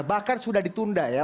bahkan sudah ditunda ya